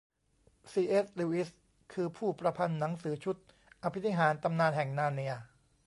ซี. เอส. ลิวอิส คือ ผู้ประพันธ์หนังสือชุด อภินิหารตำนานแห่งนาร์เนีย